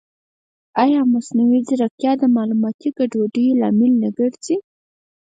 ایا مصنوعي ځیرکتیا د معلوماتي ګډوډۍ لامل نه ګرځي؟